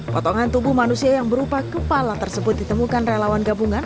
potongan tubuh manusia yang berupa kepala tersebut ditemukan relawan gabungan